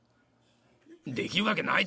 できるわけないだろ。